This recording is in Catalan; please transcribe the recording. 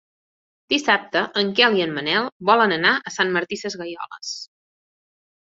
Dissabte en Quel i en Manel volen anar a Sant Martí Sesgueioles.